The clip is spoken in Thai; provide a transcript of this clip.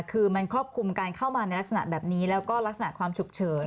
คือมันครอบคลุมการเข้ามาในลักษณะแบบนี้แล้วก็ลักษณะความฉุกเฉิน